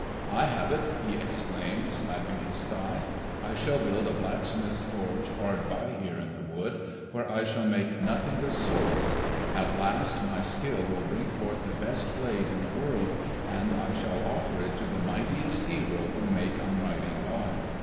"I have it!" he exclaimed slapping his thigh. "I shall build a blacksmith's forge hard by here in the wood, where I shall make nothing but swords. At last my skill will bring forth the best blade in the world, and I shall offer it to the mightiest hero who may come riding by.